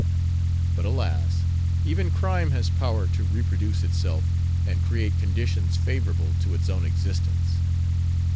But alas! even crime has power to reproduce itself and create conditions favorable to its own existence.